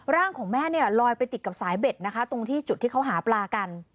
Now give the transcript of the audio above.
ร่างของแม่เนี่ยลอยไปติดกับสายเบ็ดนะคะตรงที่จุดที่เขาหาปลากัน